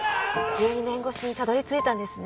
１２年越しにたどり着いたんですね